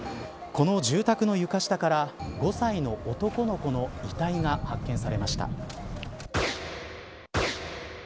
この住宅の床下から５歳の男の子の遺体が発見されました。